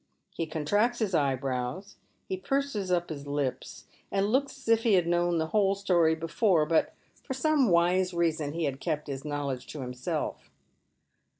He contracts his eyebrows, he purses up his lips, and looks as if he had known the whole story before, but, for some wise reason he had kept his knowledge to himself.